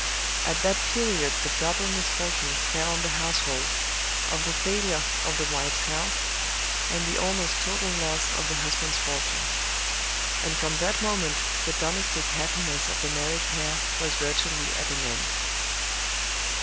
At that period the double misfortune fell on the household, of the failure of the wife's health, and the almost total loss of the husband's fortune; and from that moment the domestic happiness of the married pair was virtually at an end.